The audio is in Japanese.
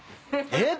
えっ？